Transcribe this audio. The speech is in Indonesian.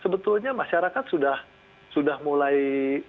tentunya masyarakat sudah mulai